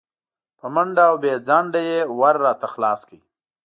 په منډه او بې ځنډه یې ور راته خلاص کړ.